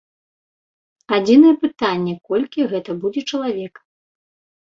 Адзінае пытанне, колькі гэта будзе чалавек.